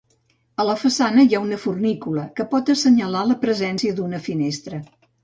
A la façana hi ha una fornícula, que pot assenyalar la presència d'una finestra.